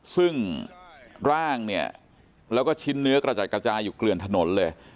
ซึ่งร่างเนี่ยแล้วก็ชิ้นเนื้อกระจัดกระจายอยู่เกลือนถนนเลย